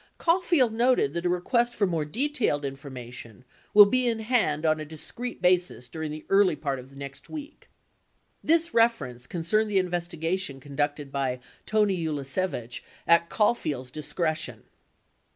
Caulfield noted that a re quest for more detailed information "will be in hand on a discrete basis during the early part of next week." 82 This reference concerned the investigation conducted by Tony Ulasewicz at Caulfield's direc tion.